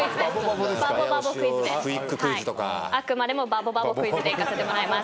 あくまでもバボバボクイズでいかせてもらいます。